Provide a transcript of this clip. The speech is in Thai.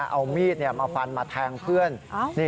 เอามีดมาฟันมาแทงเพื่อน